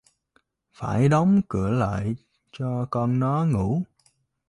Phải Đóng cửa lại cho con nó ngủ